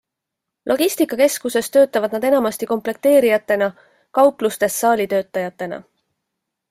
Logistikakeskuses töötavad nad enamasti komplekteerijatena, kauplustes saalitöötajatena.